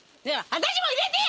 私も入れてよ！！